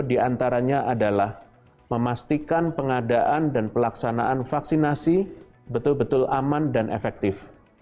di antaranya adalah memastikan pengadaan dan pelaksanaan vaksinasi betul betul aman dan efektif